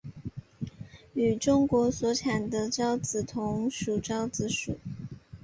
与中国所产的韶子同属韶子属。